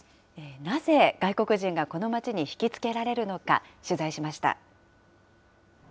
なぜ外国人がこの町に引き付けられるのか、取材しました。